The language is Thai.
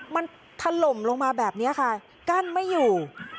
มันถล่มลงมาแบบนี้ค่ะกั้นไม่อยู่